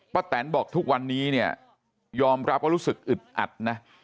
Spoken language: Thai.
แตนบอกทุกวันนี้เนี่ยยอมรับว่ารู้สึกอึดอัดนะ